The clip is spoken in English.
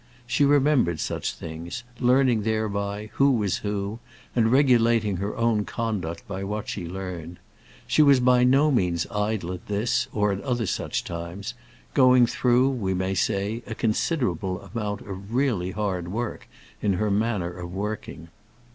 She remembered such things, learning thereby who was who, and regulating her own conduct by what she learned. She was by no means idle at this or at other such times, going through, we may say, a considerable amount of really hard work in her manner of working.